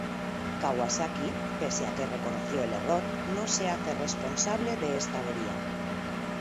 Kawasaki pese a que reconoció el error, no se hace responsable de esta avería.